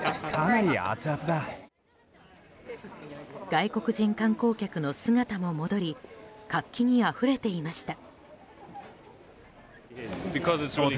外国人観光客の姿も戻り活気にあふれていました。